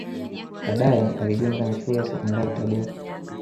Baadae alijiunga na Shule ya Sekondari Tabora